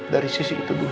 dari sisi itu dulu ya